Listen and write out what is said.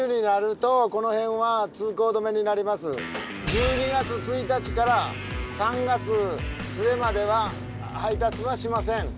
１２月１日から３月末までは配達はしません。